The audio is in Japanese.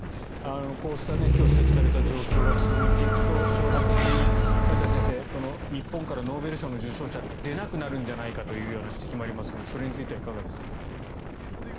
こうした今日指摘された状況が続いていくと将来的に梶田先生、日本からノーベル賞の受賞者が出なくなるんじゃないかというような指摘もありますがそれについてはいかがですか？